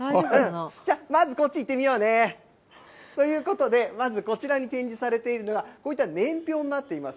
じゃあ、まずこっち行ってみようね。ということで、まずこちらに展示されているのは、こういった年表になっています。